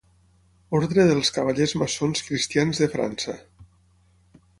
Ordre dels Cavallers Maçons Cristians de França.